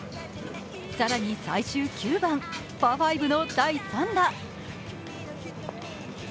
更に最終９番、パー５の第３打。